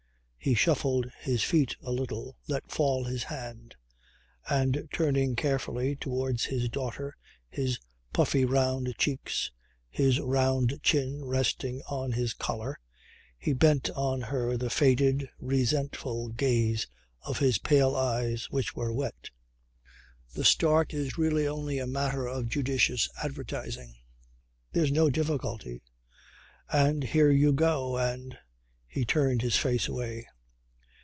He shuffled his feet a little, let fall his hand; and turning carefully toward his daughter his puffy round cheeks, his round chin resting on his collar, he bent on her the faded, resentful gaze of his pale eyes, which were wet. "The start is really only a matter of judicious advertising. There's no difficulty. And here you go and ..." He turned his face away.